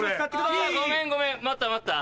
ごめんごめん待った待った？